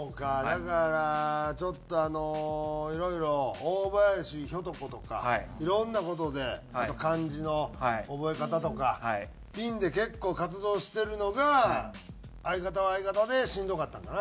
だからちょっといろいろ大林ひょと子とかいろんな事であと漢字の覚え方とかピンで結構活動してるのが相方は相方でしんどかったんかな。